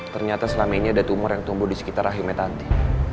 ternyata selama ini ada tumor yang tumbuh di sekitar rahim metanti